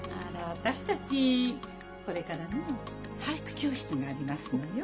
私たちこれからね俳句教室がありますのよ。